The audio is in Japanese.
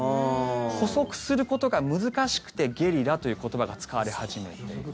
捕捉することが難しくてゲリラという言葉が使われ始めている。